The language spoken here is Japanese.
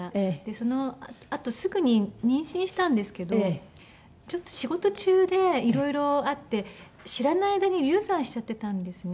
そのあとすぐに妊娠したんですけどちょっと仕事中で色々あって知らない間に流産しちゃってたんですね。